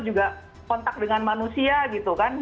juga kontak dengan manusia gitu kan